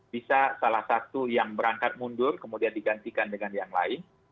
bisa salah satu yang berangkat mundur kemudian digantikan dengan yang lain